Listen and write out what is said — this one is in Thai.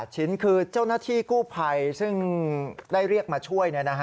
ชิ้นคือเจ้าหน้าที่กู้ภัยซึ่งได้เรียกมาช่วย